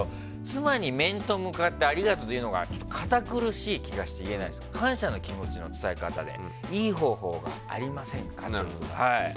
妻に面と向かって「ありがとう」と言うのが堅苦しい気がして言えないのですが感謝の気持ちの伝え方でいい方法ありませんか？という。